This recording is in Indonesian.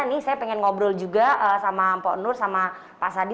ini saya pengen ngobrol juga sama mpok nur sama pak sadi